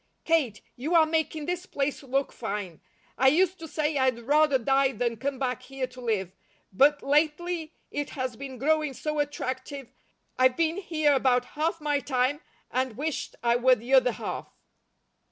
Kate, you are making this place look fine. I used to say I'd rather die than come back here to live, but lately it has been growing so attractive, I've been here about half my time, and wished I were the other half."